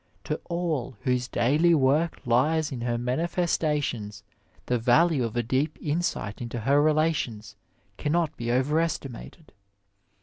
To all whose daily work lies in her manifestations the value of a deep insight into her relations camiot be overestimated.